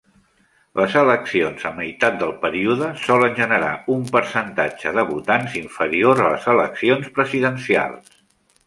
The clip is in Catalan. Les eleccions a meitat del període solen generar un percentatge de votants inferior a les eleccions presidencials.